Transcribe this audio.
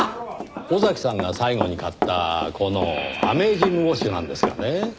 尾崎さんが最後に買ったこのアメイジングウォッシュなんですがね